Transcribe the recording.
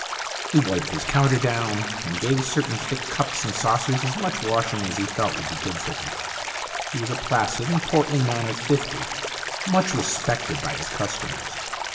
He wiped his counter down, and gave certain thick cups and saucers as much washing as he thought would be good for them. He was a placid and portly man of fifty, much respected by his customers.